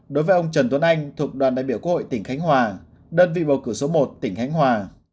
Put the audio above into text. đối với ông trần tuấn anh thuộc đoàn đại biểu quốc hội tỉnh khánh hòa đơn vị bầu cử số một tỉnh khánh hòa